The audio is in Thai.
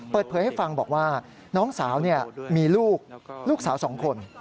เปิดเผยให้ฟังบอกว่าน้องสาวมีลูกลูกสาว๒คน